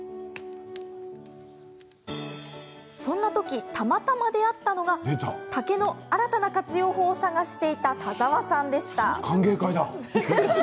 そんな時、たまたま出会ったのが竹の新たな活用法を探していた田澤さんでした。